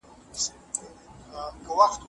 هغه په ګڼ ځای کي د ږغ سره ډوډۍ راوړي.